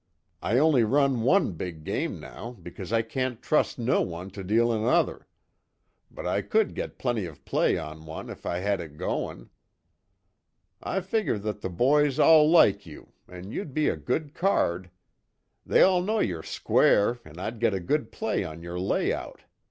I only run one big game now because I can't trust no one to deal another but I could get plenty of play on one if I had it goin'. I figure that the boys all like you, an' you'd be a good card. They all know you're square an' I'd get a good play on your layout.